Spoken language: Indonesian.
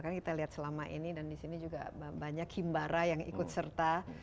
karena kita lihat selama ini dan di sini juga banyak himbara yang ikut serta